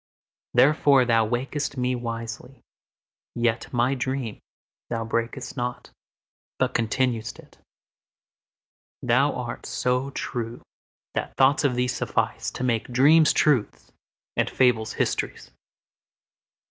Therefore thou waked'st me wisely; yetMy dream thou brak'st not, but continued'st it:Thou art so true that thoughts of thee sufficeTo make dreams truths and fables histories.